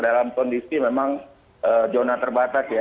dalam kondisi memang zona terbatas ya